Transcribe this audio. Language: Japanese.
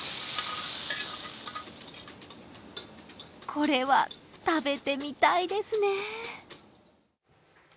これは食べてみたいですね。